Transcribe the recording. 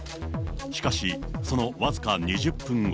しかし、その僅か２０分後。